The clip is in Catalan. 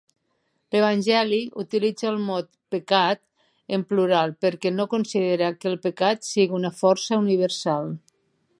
L'evangeli utilitza el mot "pecat" en plural perquè no considera que el pecat sigui una força universal.